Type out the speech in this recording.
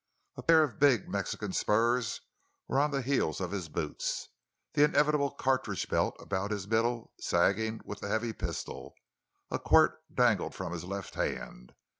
A pair of big, Mexican spurs were on the heels of his boots; the inevitable cartridge belt about his middle, sagging with the heavy pistol; a quirt dangled from his left hand.